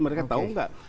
mereka tahu nggak